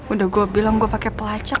udah gue bilang gue pakai pelacak